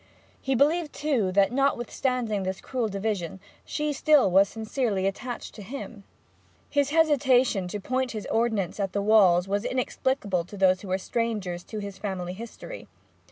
He believed, too, that, notwithstanding this cruel division, she still was sincerely attached to him. His hesitation to point his ordnance at the walls was inexplicable to those who were strangers to his family history.